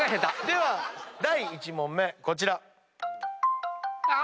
では第１問目こちら。